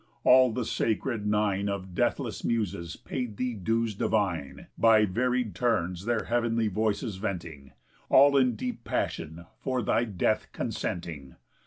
All the sacred Nine Of deathless Muses paid thee dues divine, By varied turns their heav'nly voices venting, All in deep passion for thy death consenting.